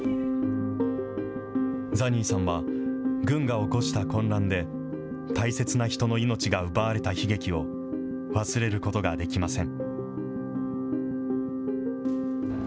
ザニーさんは、軍が起こした混乱で、大切な人の命が奪われた悲劇を、忘れることができません。